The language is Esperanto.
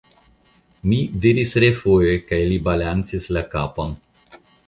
mi diris refoje, kaj li balancis la kapon.